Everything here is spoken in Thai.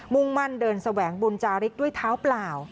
่งมั่นเดินแสวงบุญจาริกด้วยเท้าเปล่า